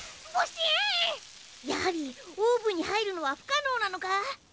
やはりオーブに入るのは不可能なのか？